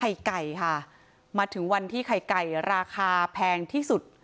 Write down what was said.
ไก่ค่ะมาถึงวันที่ไข่ไก่ราคาแพงที่สุด